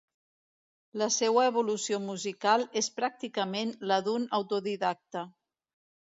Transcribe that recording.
La seua evolució musical és pràcticament la d'un autodidacte.